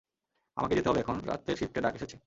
আমাকে যেতে হবে এখন, রাতের শিফটে ডাক এসেছে।